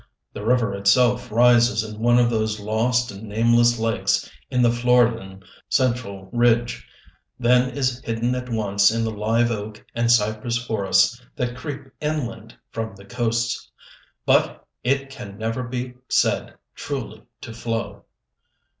The river itself rises in one of those lost and nameless lakes in the Floridan central ridge, then is hidden at once in the live oak and cypress forests that creep inland from the coasts. But it can never be said truly to flow.